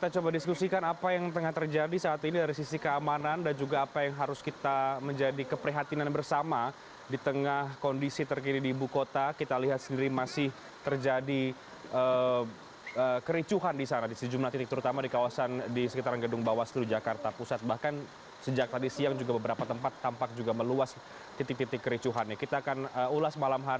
cnn indonesia breaking news